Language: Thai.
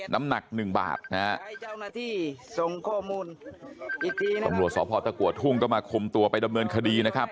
ตำรวจสศตะกัวธุงต้องมาคมตัวไปดำเนินคดีนะครับ